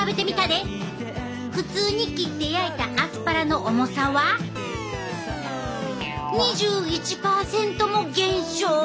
普通に切って焼いたアスパラの重さは２１％も減少。